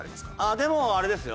でもあれですよ。